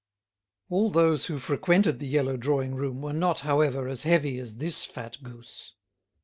All those who frequented the yellow drawing room were not, however, as heavy as this fat goose.